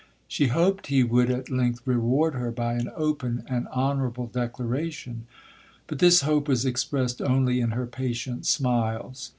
She hoped he would at length reward her by an open and honourable declaration, but this hope was expressed only in her patient smiles.